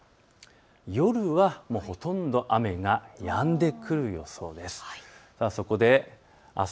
夜はほとんど雨がやんでくる予想です。